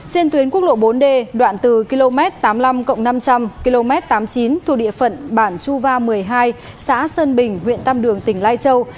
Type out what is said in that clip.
trên tuyến quốc lộ bốn d đoạn từ km tám mươi năm năm trăm linh km tám mươi chín thuộc địa phận bản chu va một mươi hai xã sơn bình huyện tam đường tỉnh lai châu